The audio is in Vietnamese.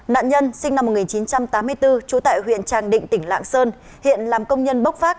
nạn nhân sinh năm một nghìn chín trăm tám mươi bốn trú tại huyện tràng định tỉnh lạng sơn hiện làm công nhân bốc phát